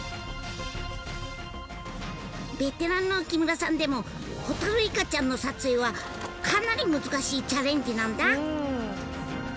ベテランの木村さんでもホタルイカちゃんの撮影はかなり難しいチャレンジなんだ。